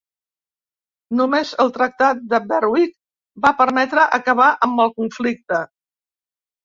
Només el Tractat de Berwick va permetre acabar amb el conflicte.